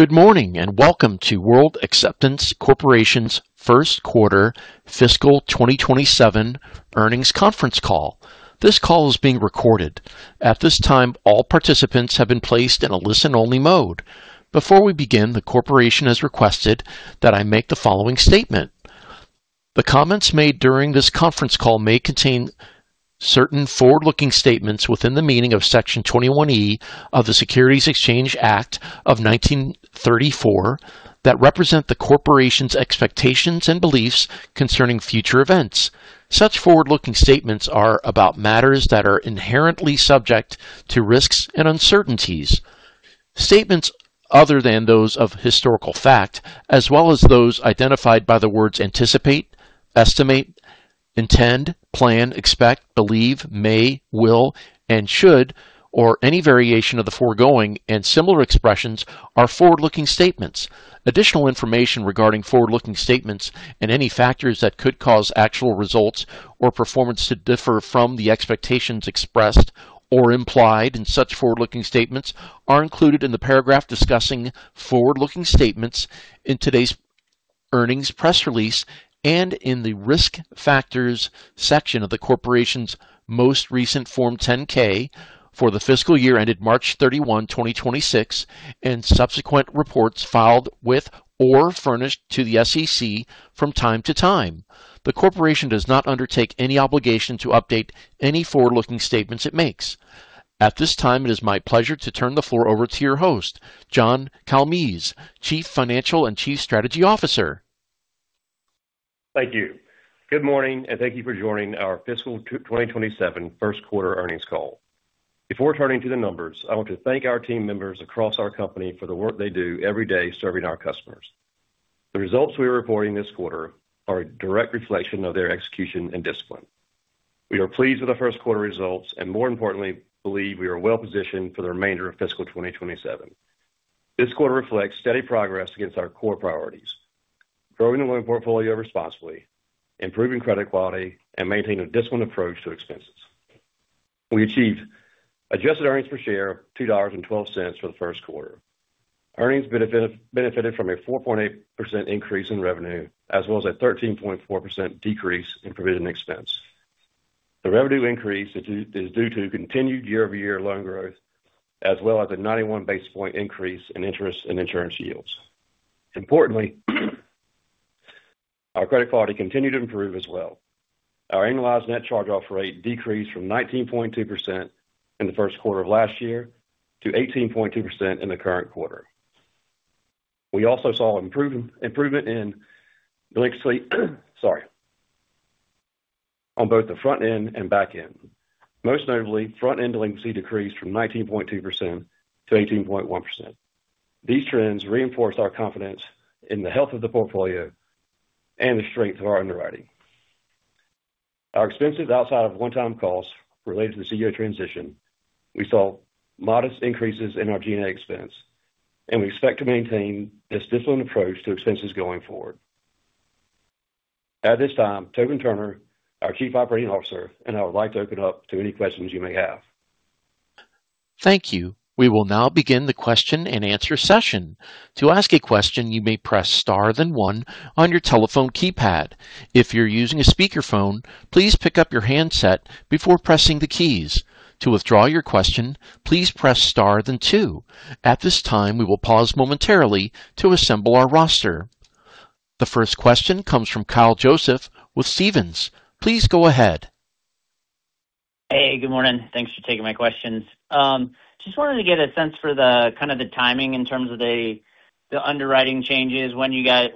Good morning, and welcome to World Acceptance Corporation's first quarter fiscal 2027 earnings conference call. This call is being recorded. At this time, all participants have been placed in a listen-only mode. Before we begin, the corporation has requested that I make the following statement. The comments made during this conference call may contain certain forward-looking statements within the meaning of Section 21E of the Securities Exchange Act of 1934 that represent the corporation's expectations and beliefs concerning future events. Such forward-looking statements are about matters that are inherently subject to risks and uncertainties. Statements other than those of historical fact, as well as those identified by the words anticipate, estimate, intend, plan, expect, believe, may, will, and should, or any variation of the foregoing and similar expressions are forward-looking statements. Additional information regarding forward-looking statements and any factors that could cause actual results or performance to differ from the expectations expressed or implied in such forward-looking statements are included in the paragraph discussing forward-looking statements in today's earnings press release and in the Risk Factors section of the corporation's most recent Form 10-K for the fiscal year ended March 31, 2026, and subsequent reports filed with or furnished to the SEC from time to time. The corporation does not undertake any obligation to update any forward-looking statements it makes. At this time, it is my pleasure to turn the floor over to your host, John Kalmes, Chief Financial and Chief Strategy Officer. Thank you. Good morning, and thank you for joining our fiscal 2027 first quarter earnings call. Before turning to the numbers, I want to thank our team members across our company for the work they do every day serving our customers. The results we are reporting this quarter are a direct reflection of their execution and discipline. We are pleased with the first quarter results, and more importantly, believe we are well-positioned for the remainder of fiscal 2027. This quarter reflects steady progress against our core priorities: growing the loan portfolio responsibly, improving credit quality, and maintaining a disciplined approach to expenses. We achieved adjusted earnings per share of $2.12 for the first quarter. Earnings benefited from a 4.8% increase in revenue as well as a 13.4% decrease in provision expense. The revenue increase is due to continued year-over-year loan growth, as well as a 91-basis-point increase in interest and insurance yields. Importantly, our credit quality continued to improve as well. Our annualized net charge-off rate decreased from 19.2% in the first quarter of last year to 18.2% in the current quarter. We also saw improvement in delinquency on both the front end and back end. Most notably, front-end delinquency decreased from 19.2% to 18.1%. These trends reinforce our confidence in the health of the portfolio and the strength of our underwriting. Our expenses outside of one-time costs related to the CEO transition, we saw modest increases in our G&A expense, and we expect to maintain this disciplined approach to expenses going forward. At this time, Tobin Turner, our Chief Operating Officer, and I would like to open up to any questions you may have. Thank you. We will now begin the question and answer session. To ask a question, you may press star then one on your telephone keypad. If you're using a speakerphone, please pick up your handset before pressing the keys. To withdraw your question, please press star then two. At this time, we will pause momentarily to assemble our roster. The first question comes from Kyle Joseph with Stephens. Please go ahead. Hey, good morning. Thanks for taking my questions. Just wanted to get a sense for the kind of the timing in terms of the underwriting changes when you guys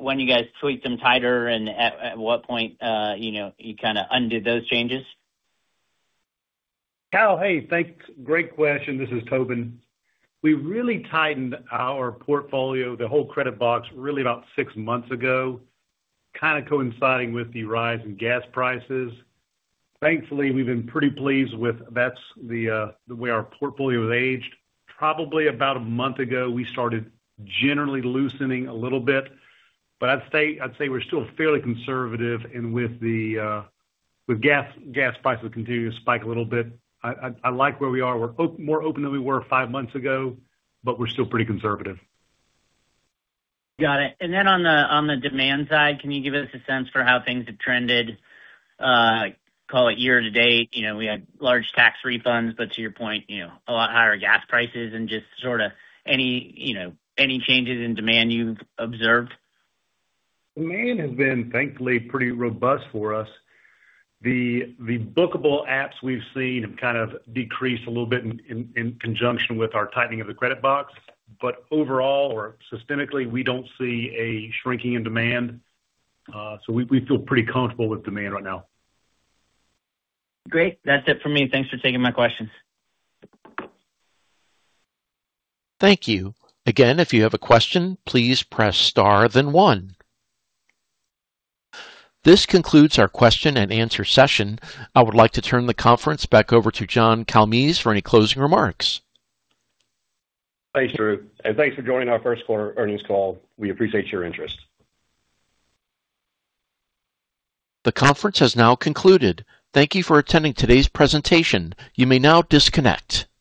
tweaked them tighter and at what point, you know, you kind of undid those changes. Kyle, hey. Thanks. Great question. This is Tobin. We really tightened our portfolio, the whole credit box, really about six months ago, kind of coinciding with the rise in gas prices. Thankfully, we've been pretty pleased with that's the way our portfolio has aged. Probably about a month ago, we started generally loosening a little bit. I'd say we're still fairly conservative and with gas prices continuing to spike a little bit, I'd like where we are. We're more open than we were five months ago, we're still pretty conservative. Got it. Then on the demand side, can you give us a sense for how things have trended, call it year to date? You know, we had large tax refunds, to your point, you know, a lot higher gas prices and just sort of any changes in demand you've observed. Demand has been, thankfully, pretty robust for us. The bookable applications we've seen have kind of decreased a little bit in conjunction with our tightening of the credit box. Overall or systemically, we don't see a shrinking in demand. We feel pretty comfortable with demand right now. Great. That's it for me. Thanks for taking my questions. Thank you. Again, if you have a question, please press star then one. This concludes our question and answer session. I would like to turn the conference back over to John Kalmes for any closing remarks. Thanks, Drew. Thanks for joining our first quarter earnings call. We appreciate your interest. The conference has now concluded. Thank you for attending today's presentation. You may now disconnect.